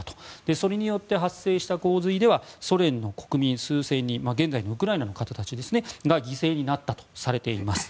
それによって発生した洪水ではソ連の国民数千人現在のウクライナの方たちが犠牲になったとされています。